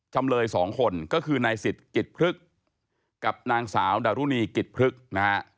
จำเลยสองคนก็คือนายสิทธิ์กิจพฤกษ์กับนางสาวดารุณีกิจพฤกษ์นะฮะ